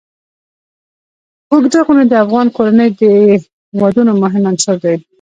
اوږده غرونه د افغان کورنیو د دودونو مهم عنصر دی.